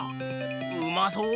うまそう！